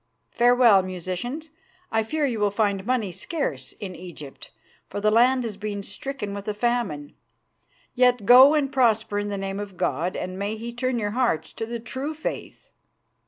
Farewell, musicians. I fear you will find money scarce in Egypt, for the land has been stricken with a famine. Yet go and prosper in the name of God, and may He turn your hearts to the true faith."